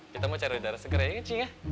kita mau cari udara segera ya ncing ya